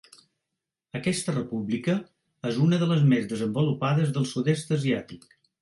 Aquesta república és una de les més desenvolupades del sud-est asiàtic.